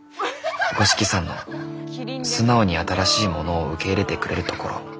「五色さんの素直に新しいものを受け入れてくれるところ」。